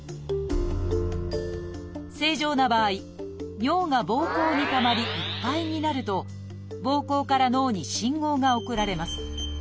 正常な場合尿がぼうこうにたまりいっぱいになるとぼうこうから脳に信号が送られます。